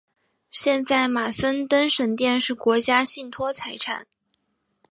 现在马森登神殿是国家信托财产。